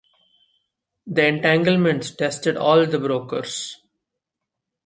The entanglements tested all the brokers.